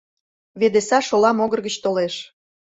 Ведеса шола могыр гыч толеш.